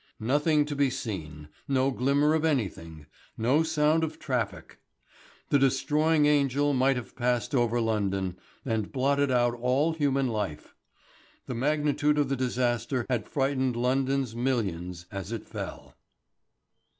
Nothing to be seen, no glimmer of anything, no sound of traffic. The destroying angel might have passed over London and blotted out all human life. The magnitude of the disaster had frightened London's millions as it fell.